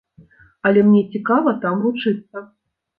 Але мне цікава там вучыцца.